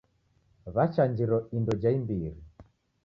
W'achanjiro indo ja imbiri.